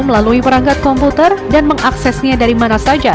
melalui perangkat komputer dan mengaksesnya dari mana saja